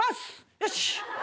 よし！